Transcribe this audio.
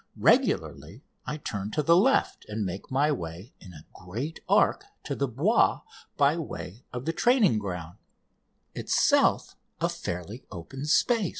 Regularly I turn to the left and make my way, in a great arc, to the Bois by way of the training ground, itself a fairly open space.